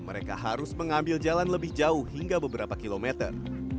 mereka harus mengambil jalan lebih jauh hingga beberapa kilometer